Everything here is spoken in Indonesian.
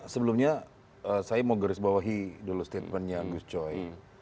sebelumnya saya mau garis bawahi dulu statementnya gus coy